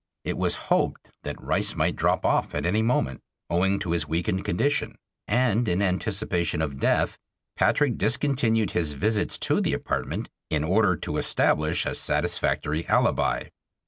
It was hoped that Rice might drop off at any moment, owing to his weakened condition, and in anticipation of death Patrick discontinued his visits to the apartment in order to establish a satisfactory alibi.